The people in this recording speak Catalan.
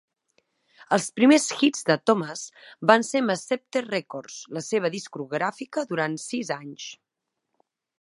Els primers hits de Thomas van ser amb Scepter Records, la seva discogràfica durant sis anys.